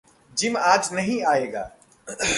Gym आज नहीं आयेगा।